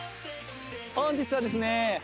本日はですね